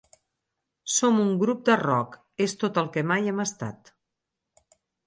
Som un grup de rock, és tot el que mai hem estat.